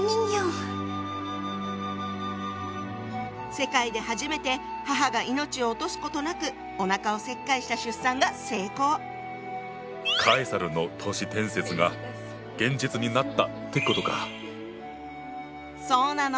世界で初めて母が命を落とすことなくカエサルの都市伝説が現実になったってことか⁉そうなの。